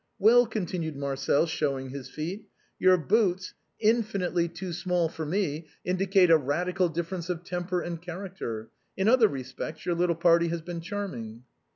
" Well," continued Marcel, showing his feet, " your boots, infinitely too small for me, indicate a radical differ ence of temper and character ; in other respects, your little party has been charming."